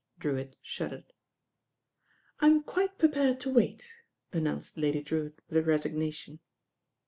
" Drewitt shuddered. "I am quite prepared to wait," announced Lady Drewitt with resignation.